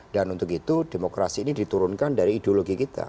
dan untuk itu demokrasi ini diturunkan dari ideologi kita